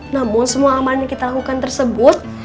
namun semua aman yang kita lakukan tersebut